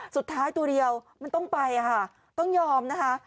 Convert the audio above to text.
สุดท้ายตัวเดียวมันต้องไปอ่ะฮะต้องยอมนะฮะ